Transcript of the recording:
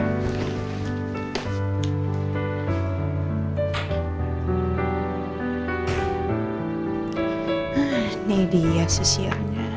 ini dia sesianya